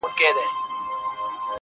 زما د هر شعر نه د هري پيغلي بد راځي~